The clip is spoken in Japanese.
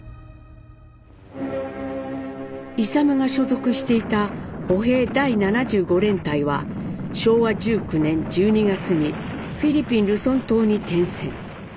勇が所属していた歩兵第七十五連隊は昭和１９年１２月にフィリピンルソン島に転戦。